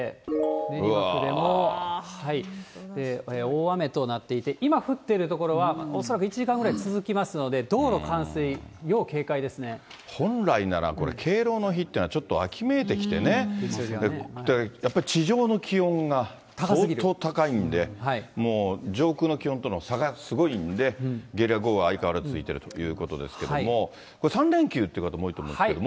練馬区でも大雨となっていて、今降っている所は恐らく１時間ぐらい続きますので、道路冠水、本来なら、これ、敬老の日って、ちょっと秋めいてきてね、やっぱり地上の気温が相当高いんで、上空の気温との差がすごいんで、ゲリラ豪雨相変わらず続いているということなんですが、３連休って人も多いと思うんですけども。